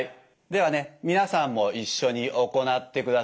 ではね皆さんも一緒に行ってくださいね。